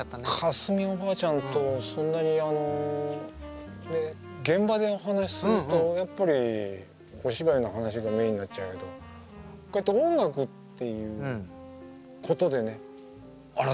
架純おばあちゃんとそんなにあの現場でお話しするとやっぱりお芝居の話がメインになっちゃうけどこうやって音楽っていうことでねあら